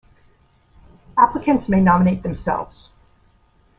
Applicants may nominate themselves.